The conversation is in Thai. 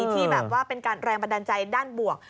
ที่แบบว่าเป็นการแรงบันดาลใจด้านบวก